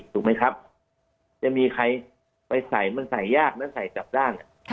ถูกไหมครับจะมีใครไปใส่มันใส่ยากนะใส่กลับด้าน